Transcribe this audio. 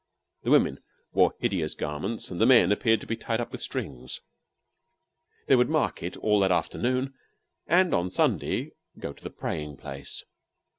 The women wore hideous garments, and the men appeared to be tied up with strings. They would market all that afternoon, and on Sunday go to the praying place.